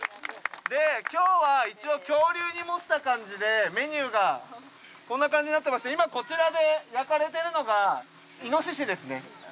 で今日は一応恐竜に模した感じでメニューがこんな感じになっていまして今こちらで焼かれているのがイノシシですね。